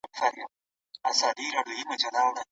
د اوبو پاکوالی ډېر مهم دی.